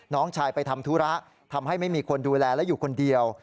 น้องชายไปทำธุระทำให้ไม่มีคนดูแลและอยู่คนเดียว